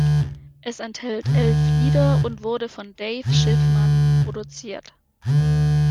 Es enthält elf Lieder und wurde von Dave Schiffman produziert.